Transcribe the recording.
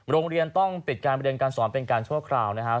โรงเรียนต้องปิดการมาเรียนการสอนเป็นการเท่ากันทั่วคราว